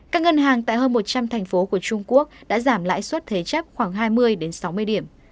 các ngân hàng tại hơn một trăm linh thành phố của trung quốc đã giảm lãi suất thế chấp khoảng hai mươi sáu mươi điểm